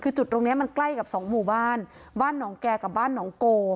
คือจุดตรงเนี้ยมันใกล้กับสองหมู่บ้านบ้านหนองแก่กับบ้านหนองโก